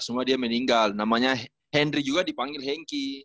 cuma dia meninggal namanya hendry juga dipanggil henky